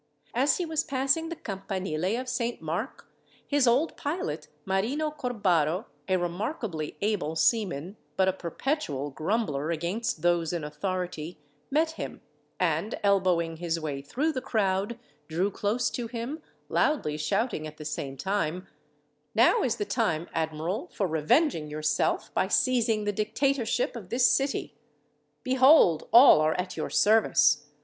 As he was passing the Campanile of Saint Mark, his old pilot, Marino Corbaro, a remarkably able seaman, but a perpetual grumbler against those in authority, met him, and elbowing his way through the crowd, drew close to him, loudly shouting at the same time: "Now is the time, admiral, for revenging yourself, by seizing the dictatorship of this city. Behold, all are at your service.